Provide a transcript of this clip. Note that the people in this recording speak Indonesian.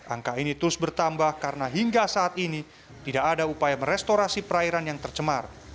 angka ini terus bertambah karena hingga saat ini tidak ada upaya merestorasi perairan yang tercemar